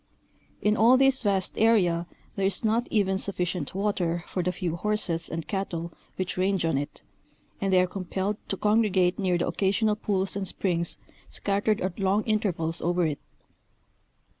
In all this vast area there is not even sufficient water for the few horses and cattle which range on it, and they are compelled to congregate near the occasional pools and springs scattered at long intervals over it.